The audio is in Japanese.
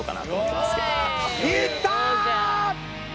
いった！